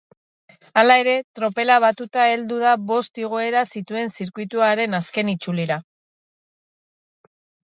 Hala ere, tropela batuta heldu da bost igoera zituen zirkuituaren azken itzulira.